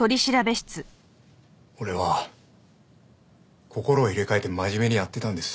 俺は心を入れ替えて真面目にやってたんです。